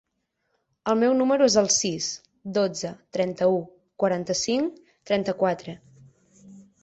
El meu número es el sis, dotze, trenta-u, quaranta-cinc, trenta-quatre.